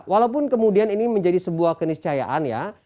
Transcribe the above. walaupun kemudian ini menjadi sebuah keniscayaan ya